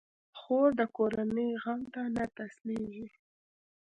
خور د کورنۍ غم ته نه تسلېږي.